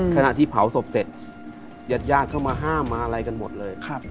ขณะที่เผาศพเสร็จญาติญาติเข้ามาห้ามมาอะไรกันหมดเลย